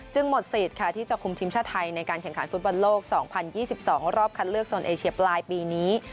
หมดสิทธิ์ค่ะที่จะคุมทีมชาติไทยในการแข่งขันฟุตบอลโลก๒๐๒๒รอบคัดเลือกโซนเอเชียปลายปีนี้